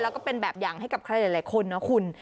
แล้วก็เป็นแบบอย่างให้กับใครหลายคนนะคุณ